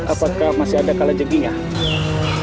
apakah masih ada halajeng king ya